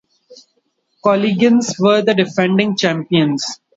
Collegians were the defending champions.